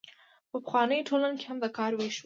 په پخوانیو ټولنو کې هم د کار ویش و.